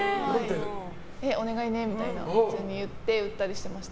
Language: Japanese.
お願いねみたいなふうに言って打ったりしてました。